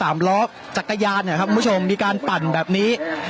มีมีการปั่นแบบนี้